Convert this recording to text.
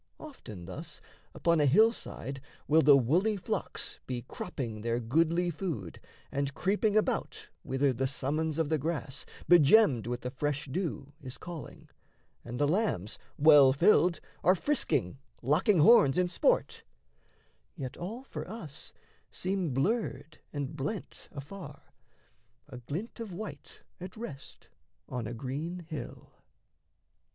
Often thus, Upon a hillside will the woolly flocks Be cropping their goodly food and creeping about Whither the summons of the grass, begemmed With the fresh dew, is calling, and the lambs, Well filled, are frisking, locking horns in sport: Yet all for us seem blurred and blent afar A glint of white at rest on a green hill.